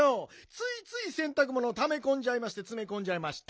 ついついせんたくものをためこんじゃいましてつめこんじゃいまして。